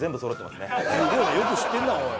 すごいねよく知ってるなおい。